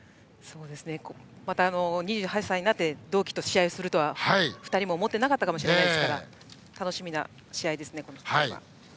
また、２８歳になって同期と試合するとは２人も思っていなかったかもしれないですから楽しみな試合ですね。